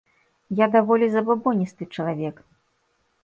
Я даволі забабоністы чалавек.